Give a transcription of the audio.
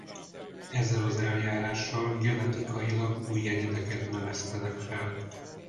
Ezzel az eljárással genetikailag új egyedeket növesztenek fel.